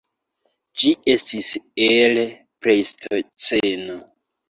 Ĝi estas el Plejstoceno.